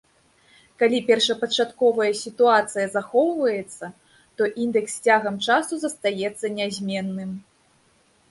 Калі першапачатковая сітуацыя захоўваецца, то індэкс з цягам часу застаецца нязменным.